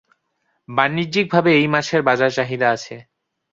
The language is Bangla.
বাণিজ্যিকভাবে এই মাছের বাজার চাহিদা আছে।